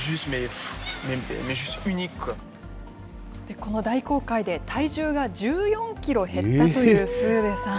この大航海で体重が１４キロ減ったというスーデさん。